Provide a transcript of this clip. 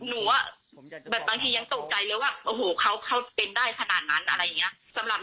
หนูอะแบบบางทียังตกใจเลยว่าอ้าวโหเขาเขาเป็นได้ขนาดนั้นอะไรอย่างเงี้ยสำหรับ